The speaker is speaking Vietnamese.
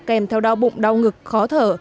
kèm theo đau bụng đau ngực khó thở